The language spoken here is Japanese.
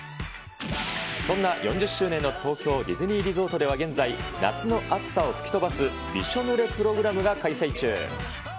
そんな４０周年の東京ディズニーリゾートでは現在、夏の暑さを吹き飛ばす、びしょぬれプログラムが開催中。